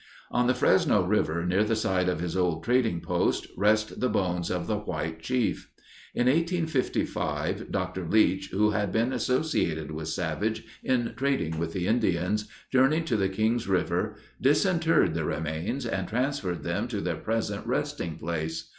On the Fresno River, near the site of his old trading post, rest the bones of the "white chief." In 1855, Dr. Leach, who had been associated with Savage in trading with the Indians, journeyed to the Kings River, disinterred the remains, and transferred them to their present resting place.